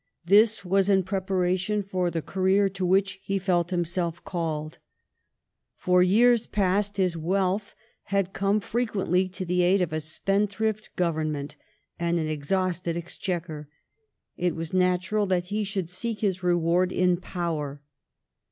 This was in preparation for the career to which he felt himself called. For years past his wealth had come frequently to the aid of a spendthrift Government and an exhausted exchequer ; and it was natural that he should seek his reward in power.